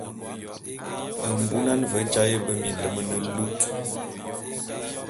Mbunan ve jaé be minlem ne lut.